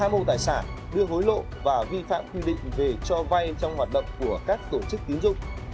hai mô tài sản đưa hối lộ và vi phạm quy định về cho vay trong hoạt động của các tổ chức tín dụng